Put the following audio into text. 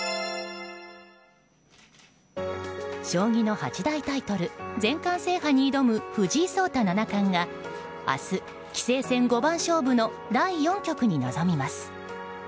将棋の八大タイトル全冠制覇に挑む藤井聡太七冠が明日、棋聖戦五番勝負の第４局に臨みます。